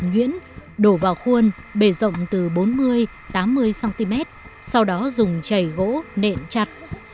nhuyễn đổ vào khuôn bề rộng từ bốn mươi tám mươi cm sau đó dùng chảy gỗ nện chặt